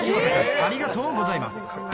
ありがとうございます。